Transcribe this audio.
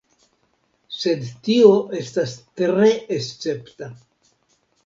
Sed tio estas tre escepta.